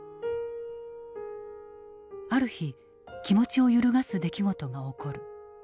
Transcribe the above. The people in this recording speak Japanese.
ある日気持ちを揺るがす出来事が起こる。